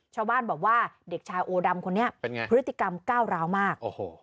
ชาวบ้านบอกว่าเด็กชายโอดำคนนี้พฤติกรรมก้าวร้าวมาก